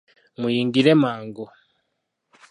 Muyingire mangu !